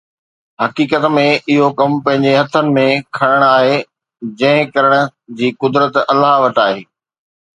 حقيقت ۾ اهو ڪم پنهنجي هٿن ۾ کڻڻ آهي، جنهن کي ڪرڻ جي قدرت الله وٽ آهي